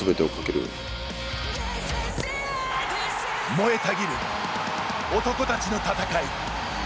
燃えたぎる、男たちの戦い。